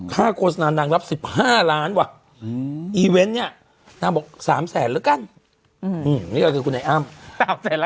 ค่าโกสนานนางรับ๑๕ล้านบาทอีเวนต์นี่นางบอก๓๐๐๐๐๐บาทละกันนี่ก็คือคุณไอ้อ้ำ